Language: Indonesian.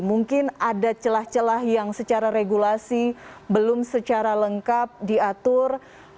mungkin ada celah celah yang secara regulasi belum secara lengkap diatur